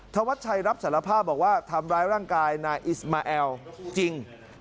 ธวัชชัยรับสารภาพบอกว่าทำร้ายร่างกายนายอิสมาแอลจริง